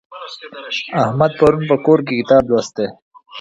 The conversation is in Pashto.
احمد پرون په کور کي کتاب لوستی.